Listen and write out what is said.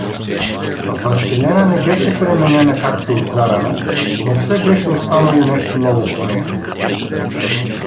Василена не беше пременена, както отзарана, но все беше останало нещо ново по нея.